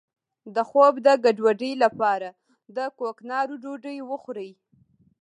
د خوب د ګډوډۍ لپاره د کوکنارو ډوډۍ وخورئ